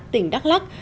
tỉnh đắk lắc